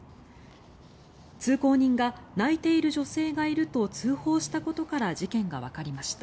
通行人が泣いている女性がいると通報したことから事件がわかりました。